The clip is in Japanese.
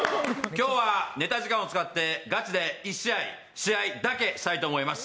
今日はネタ時間を使ってガチで１試合試合だけをしたいと思います。